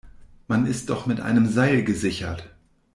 Man ist doch mit einem Seil gesichert!